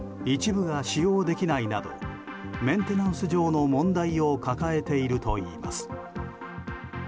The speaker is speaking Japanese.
一部が使用できないなどメンテナンス上の問題を抱えているといいます。